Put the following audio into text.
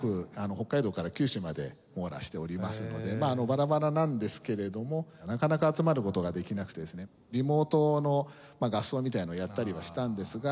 北海道から九州まで網羅しておりますのでバラバラなんですけれどもなかなか集まる事ができなくてですねリモートの合奏みたいのをやったりはしたんですが。